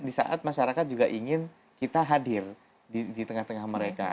di saat masyarakat juga ingin kita hadir di tengah tengah mereka